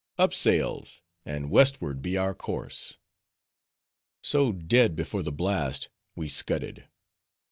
—Up sails! and westward be our course." So dead before the blast, we scudded.